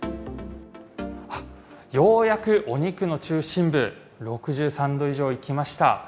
あっ、ようやくお肉の中心部、６３度以上いきました。